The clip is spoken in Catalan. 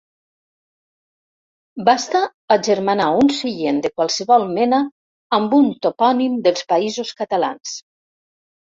Basta agermanar un seient de qualsevol mena amb un topònim dels Països Catalans.